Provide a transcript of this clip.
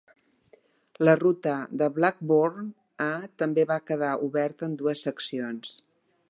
La ruta de Blackburn a també va quedar oberta en dues seccions.